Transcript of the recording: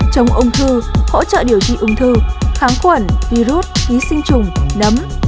chống ung thư hỗ trợ điều trị ung thư kháng khuẩn virus ký sinh trùng nấm